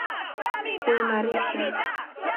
kuimarisha